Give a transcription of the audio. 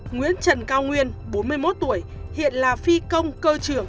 nguyễn trần cao nguyên bốn mươi một tuổi hiện là phi công cơ trưởng